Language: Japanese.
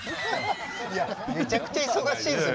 いやめちゃくちゃ忙しいですよ。